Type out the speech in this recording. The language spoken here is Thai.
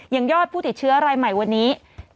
ยอดผู้ติดเชื้อรายใหม่วันนี้